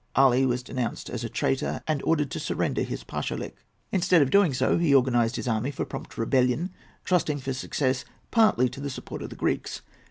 Ali was denounced as a traitor, and ordered to surrender his pashalik. Instead of so doing, he organized his army for prompt rebellion, trusting for success partly to the support of the Greeks.